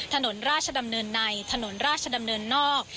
ถนนราชดำเนินในถนนราชดำเนินนอก